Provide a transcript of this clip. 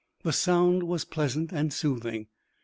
The sound was pleasant and soothing.